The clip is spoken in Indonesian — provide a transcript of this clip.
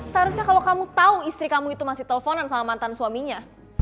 seharusnya kalau kamu tahu istri kamu itu masih teleponan sama mantan suaminya